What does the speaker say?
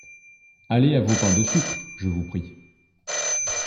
Allez à vos pains de sucre, je vous prie.